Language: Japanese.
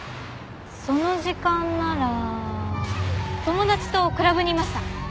その時間なら友達とクラブにいました。